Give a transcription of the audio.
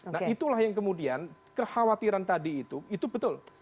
nah itulah yang kemudian kekhawatiran tadi itu itu betul